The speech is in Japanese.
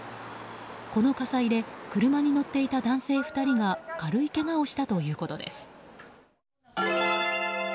この火災で車に乗っていた男性２人が軽いけがをしたということです。